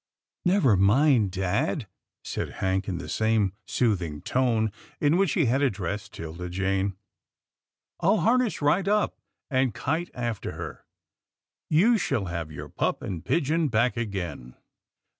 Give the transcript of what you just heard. " Never mind, dad," said Hank in the same soothing tone in which he had addressed 'Tilda Jane, " I'll harness right up, and kite after her. You shall have your pup and pigeon back again."